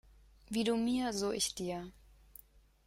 Wie du mir, so ich dir.